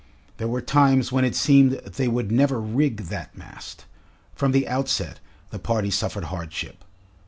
There were times when it seemed they would never rig that mast. From the outset the party suffered hardship.